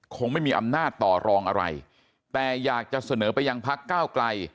คงไม่มีอำนาจต่อรองอะไรแต่อยากจะเสนอไปยังพักก้าวไกล